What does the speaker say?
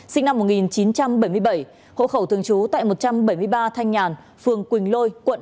sinh năm một nghìn chín trăm bảy mươi bảy hộ khẩu thường trú tại một trăm bảy mươi ba thanh nhàn phường quỳnh lôi quận hai trăm ba mươi bảy